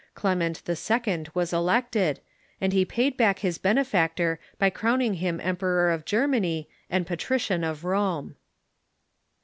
Clem ent II. Avas elected, and he paid back his benefactor by crown ing him Emperor of Germany and Patrician of Rome.